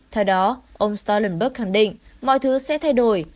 theo đó ông starlonberg khẳng định mọi thứ sẽ thay đổi